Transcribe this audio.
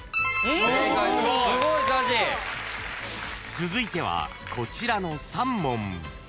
［続いてはこちらの３問］